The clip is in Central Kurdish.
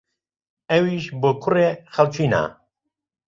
ئەویش بۆ کوڕێ خەڵکی نا